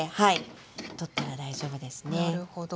なるほど。